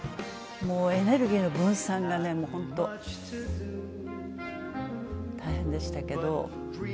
もうエネルギーの分散がね本当大変でしたけど。